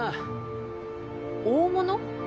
大物？